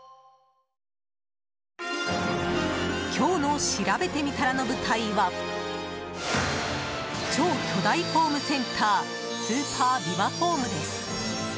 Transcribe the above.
今日のしらべてみたらの舞台は超巨大ホームセンタースーパービバホームです。